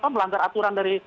melanggar aturan dari